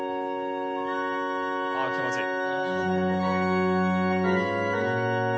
あ気持ちいい。